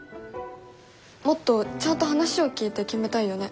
もっとちゃんと話を聞いて決めたいよね。